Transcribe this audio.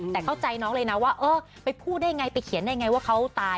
แต่เข้าใจน้องเลยนะว่าเออไปพูดได้ไงไปเขียนได้ไงว่าเขาตาย